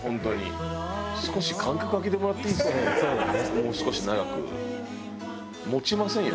もう少し長く。